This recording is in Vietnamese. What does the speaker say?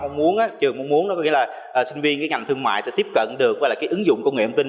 trường mong muốn là sinh viên ngành thương mại sẽ tiếp cận được ứng dụng công nghệ âm tin